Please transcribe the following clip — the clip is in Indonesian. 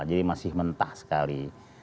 jadi masih mentah sekali